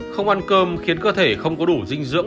không ăn cơm khiến cơ thể không có đủ dinh dưỡng